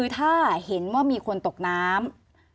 ถ้าเห็นว่ามีคนตกน้ำ